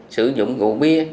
sử dụng rượu bia